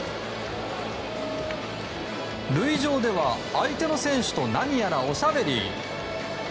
塁上では相手の選手と何やらおしゃべり。